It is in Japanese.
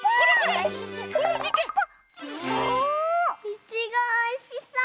いちごおいしそう！